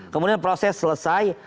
kemudian proses selesai